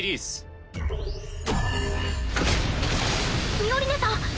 ミオリネさん